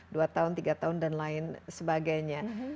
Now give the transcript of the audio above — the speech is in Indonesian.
dua tahun tiga tahun dan lain sebagainya